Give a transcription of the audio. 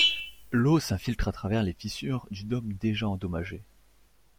L'eau s'infiltre à travers les fissures du dôme déjà endommagé.